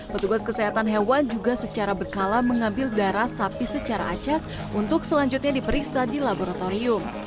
petugas kesehatan hewan juga secara berkala mengambil darah sapi secara acak untuk selanjutnya diperiksa di laboratorium